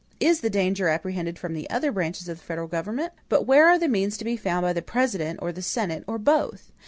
Is the danger apprehended from the other branches of the federal government? But where are the means to be found by the President, or the Senate, or both?